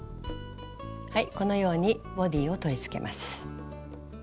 このようにボディーを取りつけます。